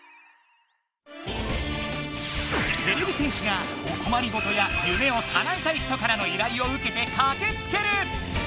てれび戦士がおこまりごとやゆめをかなえたい人からの依頼をうけてかけつける！